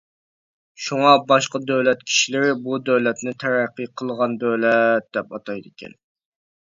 شۇڭا باشقا دۆلەت كىشىلىرى بۇ دۆلەتنى تەرەققىي قىلغان دۆلەت دەپ ئاتايدىكەن.